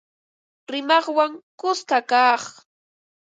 Rimaqwan kuska kaq